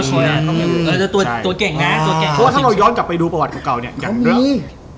เพราะว่าถ้าเราย้อนกลับไปดูประวัติเก่าเนี่ย